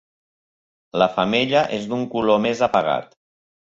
La femella és d'un color més apagat.